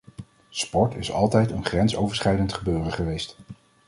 Sport is altijd een grensoverschrijdend gebeuren geweest.